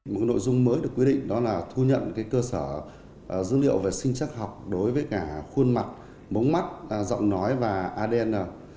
một nội dung mới được quyết định đó là thu nhận cơ sở dữ liệu về sinh chắc học đối với cả khuôn mặt mống mắt giọng nói và adn